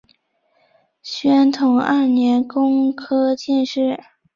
宣统二年工科进士。